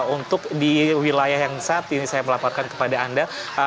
untuk di wilayah yang saat ini saya melaporkan kepada anda